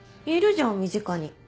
いるじゃん身近に。